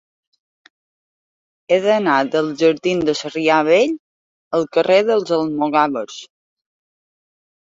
He d'anar dels jardins de Sarrià Vell al carrer dels Almogàvers.